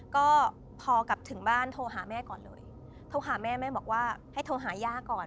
ก็พอกลับถึงบ้านโทรหาแม่ก่อนเลยโทรหาแม่แม่บอกว่าให้โทรหาย่าก่อน